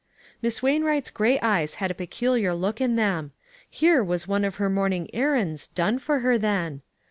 Miss Wainwright's gray eyes had a peculiar look in them. Here was one of her morn ing errands done for her, then.